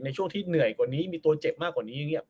ในช่วงที่เหนื่อยกว่านี้มีตัวเจ็บมากกว่านี้เงียบ